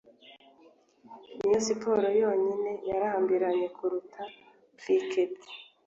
Niyo Siporo Yonyine Yarambiranye Kuruta Cricket